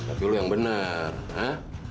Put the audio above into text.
tapi lu yang benar ha